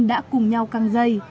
đã cùng nhau căng dây